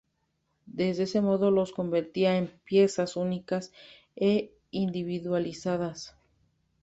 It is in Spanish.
De este modo los convertía en piezas únicas e individualizadas.